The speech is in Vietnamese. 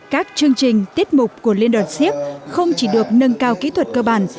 các chương trình tiết mục của liên đoàn siếc không chỉ được nâng cao kỹ thuật cơ bản